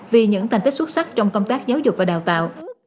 vì những thành tích xuất sắc trong công tác giáo dục và đào tạo